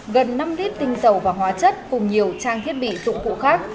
gần năm lít tinh dầu và hóa chất cùng nhiều trang thiết bị dụng cụ khác